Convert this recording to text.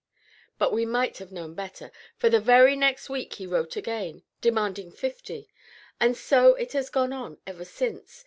But we might have known better; for the very next week he wrote again, demanding fifty. And so it has gone on ever since.